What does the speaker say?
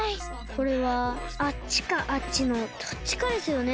これはあっちかあっちのどっちかですよね。